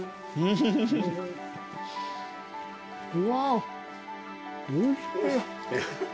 うわっおいしい。